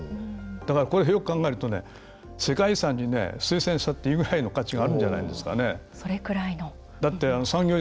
だからこれよく考えてみると世界遺産に推薦したっていいくらいの価値があるんじゃないですかね。